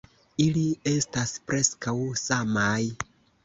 Ili estas preskaŭ samaj.